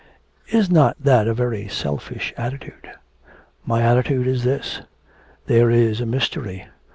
'Is not that a very selfish attitude?' 'My attitude is this. There is a mystery.